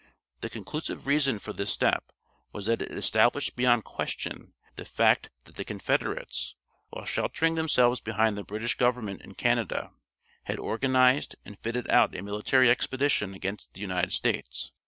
The conclusive reason for this step was that it established beyond question the fact that the Confederates, while sheltering themselves behind the British Government in Canada, had organized and fitted out a military expedition against the United States.